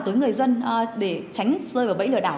tới người dân để tránh rơi vào bẫy lừa đảo